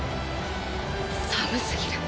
寒すぎる！